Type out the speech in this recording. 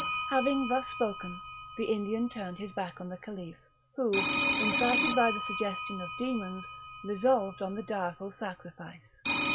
Having thus spoken, the Indian turned his back on the Caliph, who, incited by the suggestion of demons, resolved on the direful sacrifice.